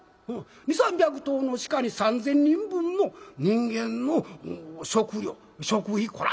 ２００３００頭の鹿に３，０００人分の人間の食料食費こら